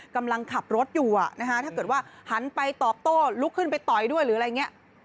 กำลังขับรถอยู่ถ้าเกิดว่าหันไปตอบโต้ลุกขึ้นไปต่อยด้วยหรืออะไรอย่างนี้